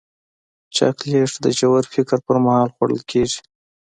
چاکلېټ د ژور فکر پر مهال خوړل کېږي.